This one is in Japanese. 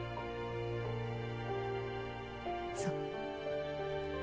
そう。